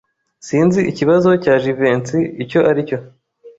Sinzi ikibazo cya Jivency icyo aricyo.